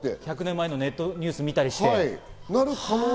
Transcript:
１００年前のネットニュースを見たりして。